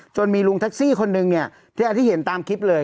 จนมีลุงแท็กซี่คนหนึ่งที่เห็นตามคลิปเลย